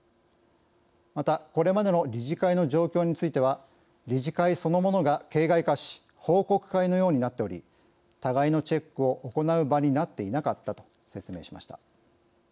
また、これまでの理事会の状況については「理事会そのものが形骸化し報告会のようになっており互いのチェックを行う場になっていなかった」と説明しました。